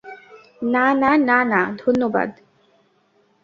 না, না, না, না, ধন্যবাদ।